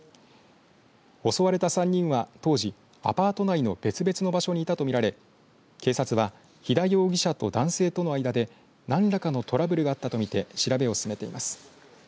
襲われた３人は、当時アパート内の別々の場所にいたとみられ警察は肥田容疑者と男性との間で何らかのトラブルがあったとみて調べを進めています。